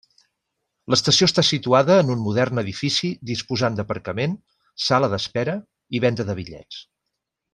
L'estació està situada en un modern edifici disposant d'aparcament, sala d'espera i venda de bitllets.